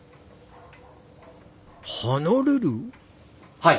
はい。